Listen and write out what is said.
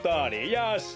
よし！